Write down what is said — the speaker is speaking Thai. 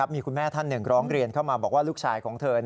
มีคุณแม่ท่านหนึ่งร้องเรียนเข้ามาบอกว่าลูกชายของเธอ